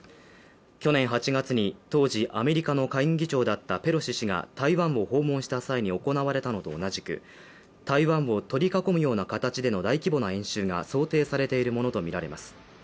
去年８月に、当時アメリカの下院議長だったペロシ氏が台湾を訪問した際に行われたのと同じく、台湾を取り囲むような形での大規模な演習が想定されているものとみられます。